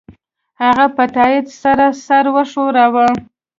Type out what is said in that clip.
هغه په تایید سره سر وښوراوه